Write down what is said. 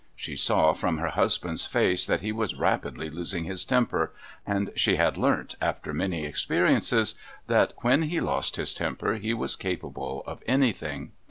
She saw from her husband's face that he was rapidly losing his temper, and she had learnt, after many experiences, that when he lost his temper he was capable of anything.